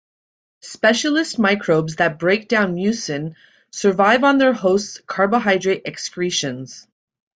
Specialist microbes that break down mucin, survive on their host's carbohydrate excretions.